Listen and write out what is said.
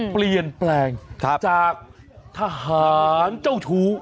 เปลี่ยนแปลงจากทหารเจ้าชู้